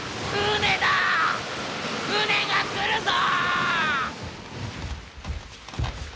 船が来るぞ！